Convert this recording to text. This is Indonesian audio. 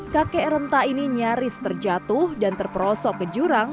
kakek renta ini nyaris terjatuh dan terperosok ke jurang